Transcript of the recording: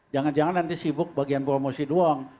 jangan jangan nanti sibuk bagian promosi doang